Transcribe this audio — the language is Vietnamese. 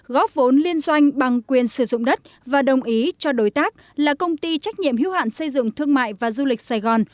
góp vốn liên doanh bằng quyền sử dụng đất và đồng ý cho đối tác là công ty trách nhiệm hiếu hạn xây dựng thương mại và du lịch sài gòn